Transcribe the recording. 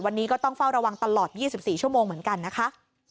วันนี้ก็ต้องเฝ้าระวังตลอด๒๔ชั่วโมงเหมือนกันนะคะ